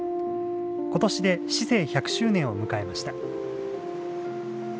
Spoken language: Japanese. ことしで市制１００周年を迎えました。